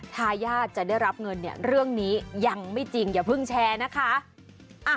ทายาทจะได้รับเงินเนี่ยเรื่องนี้ยังไม่จริงอย่าเพิ่งแชร์นะคะ